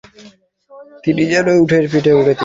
তিনি যেন উটের পিঠের শেষ তৃণখণ্ডের মত।